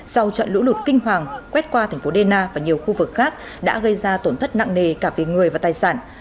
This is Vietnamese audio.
sau trận lũ lụt kinh hoàng quét qua thành phố dena và nhiều khu vực khác đã gây ra tổn thất nặng nề cả về người và tài sản